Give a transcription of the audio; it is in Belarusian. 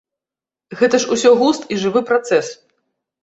Гэта ж усё густ і жывы працэс.